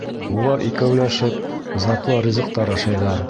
Улар икәүләшеп затлы ризыҡтар ашайҙар.